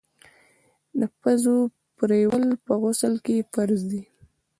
د پزي پرېولل په غسل کي فرض دي.